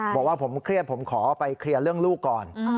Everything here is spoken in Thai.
บอกว่าผมเครียดผมขอไปเคลียร์เรื่องลูกก่อน